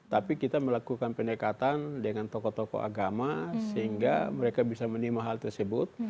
tapi kita melakukan pendekatan dengan tokoh tokoh agama sehingga mereka bisa menima hal tersebut